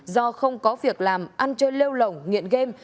do không có việc làm ăn chơi lêu lỏng nghiện game